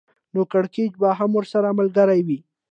نو کړکېچ به هم ورسره ملګری وي